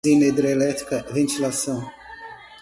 usina hidrelétrica, ventilação